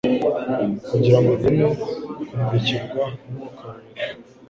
kugira ngo tubone kumurikirwa n'Umwuka wera.